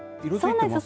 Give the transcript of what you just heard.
そうなんです。